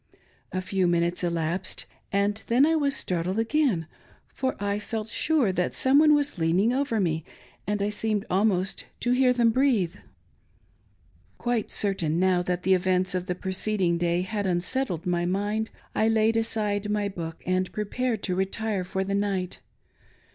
A few minutesf THE "PRESENCE IN MY ROOM. 449 elapsed, and then I was startled again, for I felt sure that some one was leaning over me, and I seemed almost to hear them breathe. Quite certain now that the events of the preceding day had unsettled my mind, I laid aside my book and prepared to retire for the night.